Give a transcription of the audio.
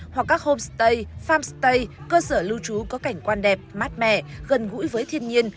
hoặc các homestay farmstay cơ sở lưu trú có cảnh quan đẹp mát mẻ gần gũi với thiên nhiên